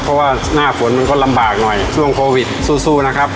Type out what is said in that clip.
เพราะว่าหน้าฝนมันก็ลำบากหน่อยช่วงโควิดสู้นะครับ